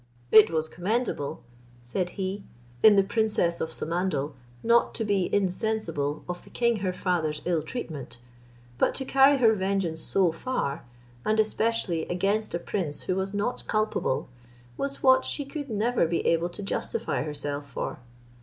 "It was commendable," said he, "in the princess of Samandal not to be insensible of the king her father's ill treatment; but to carry her vengeance so far, and especially against a prince who was not culpable, was what she could never be able to ,justify herself for.